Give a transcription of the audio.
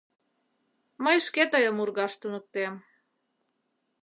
Мый шке тыйым ургаш туныктем.